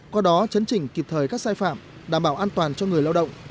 qua đó chấn chỉnh kịp thời các sai phạm đảm bảo an toàn cho người lao động